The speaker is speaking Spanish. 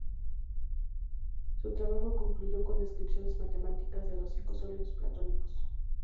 Su trabajo concluyó con descripciones matemáticas de los cinco sólidos Platónicos.